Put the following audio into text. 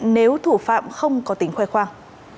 nếu thủ phạm không có tính khoai khoang